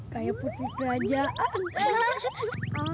kayak putri kerajaan